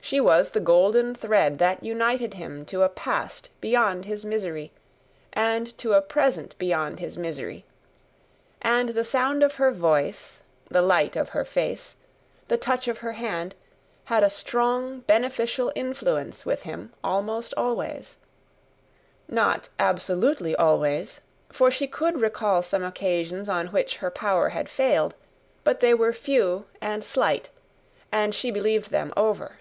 She was the golden thread that united him to a Past beyond his misery, and to a Present beyond his misery: and the sound of her voice, the light of her face, the touch of her hand, had a strong beneficial influence with him almost always. Not absolutely always, for she could recall some occasions on which her power had failed; but they were few and slight, and she believed them over.